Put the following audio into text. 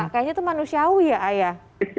kayaknya itu manusiawi ya ayah